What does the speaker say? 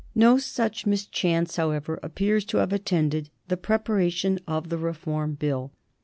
No such mischance, however, appears to have attended the preparation of the Reform Bill.